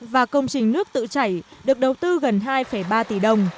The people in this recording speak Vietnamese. và công trình nước tự chảy được đầu tư gần hai ba tỷ đồng